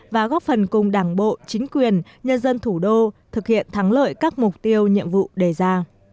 và góp phần cùng đảng bộ chính quyền nhân dân thủ đô thực hiện thắng lợi các mục tiêu nhiệm vụ đề ra